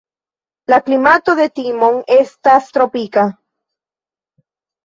La klimato de Timon estas tropika.